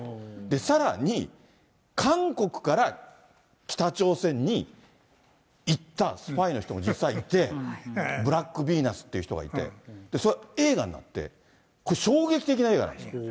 さらに、韓国から北朝鮮に行ったスパイの人も実際にいて、ブラックヴィーナスっていう人がいて、それが映画になって、衝撃的な映画なんです。